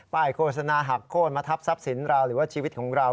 โฆษณาหักโค้นมาทับทรัพย์สินเราหรือว่าชีวิตของเรา